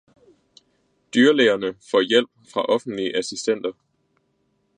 Dyrlægerne får hjælp fra offentlige assistenter.